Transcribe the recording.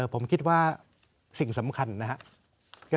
ผมคิดว่าสิ่งสำคัญนะครับ